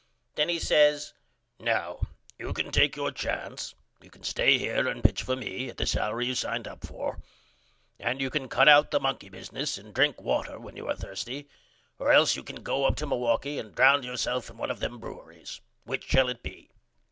Then he says Now you can take your choice you can stay here and pitch for me at the salery you signed up for and you can cut out the monkey business and drink water when you are thirsty or else you can go up to Milwaukee and drownd yourself in one of them brewrys. Which shall it be?